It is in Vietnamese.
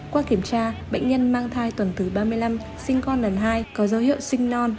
qua kiểm tra bệnh nhân mang thai tuần thứ ba mươi năm sinh con lần hai có dấu hiệu sinh non